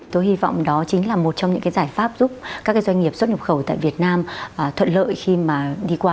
tôi hy vọng đó chính là một trong những cái giải pháp giúp các cái doanh nghiệp xuất nhập khẩu tại việt nam thuận lợi khi mà đi qua